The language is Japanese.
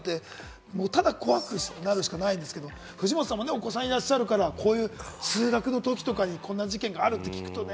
って、ただ怖くなるしかないんですけど、藤本さん、お子さんいらっしゃるから、通学のときとかに、こんな事件があると聞くとね。